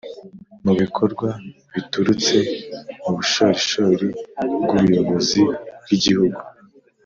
mu bikorwa biturutse mu bushorishori bw'ubuyobozi bw' i gihugu.